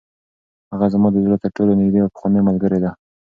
هغه زما د زړه تر ټولو نږدې او پخوانۍ ملګرې ده.